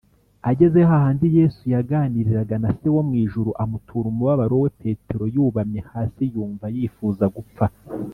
ageze ha handi yesu yaganiriraga na se wo mu ijuru amutura umubabaro we, petero yubamye hasi, yumva yifuza gupfa